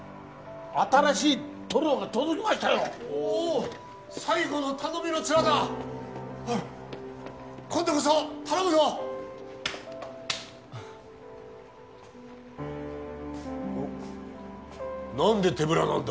新しい塗料が届きましたよおおっ最後の頼みの綱だおい今度こそ頼むようん？